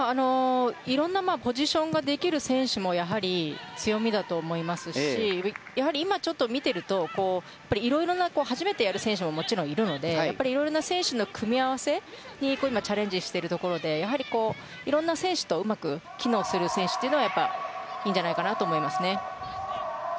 いろんなポジションができる選手も強みだと思いますし今、ちょっと見ていると初めてやる選手ももちろんいますのでいろいろな選手の組み合わせにチャレンジしているところでいろんな選手とうまく機能する選手というのがいいんじゃないかなと思いますね。